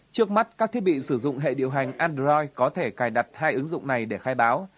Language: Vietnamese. trước mắt các thiết bị sử dụng hệ điều hành android có thể cài đặt hai ứng dụng này để khai báo